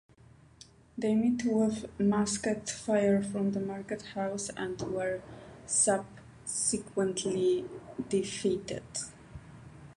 They met with musket fire from the market house and were subsequently defeated.